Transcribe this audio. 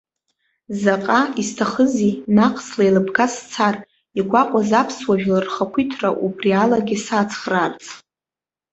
Заҟа исҭахызи наҟ слеилыбга сцар, игәаҟуаз аԥсуа жәлар рхақәиҭра убри алагьы сацхраарц!